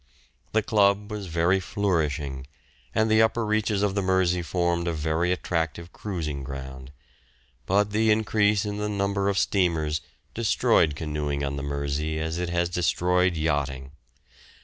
The club was very flourishing, and the upper reaches of the Mersey formed a very attractive cruising ground; but the increase in the number of steamers destroyed canoeing on the Mersey as it has destroyed yachting.